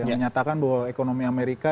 menyatakan bahwa ekonomi amerika